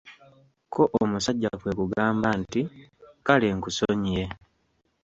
Ko omusajja kwe kugamba nti, "kale nkusonyiye."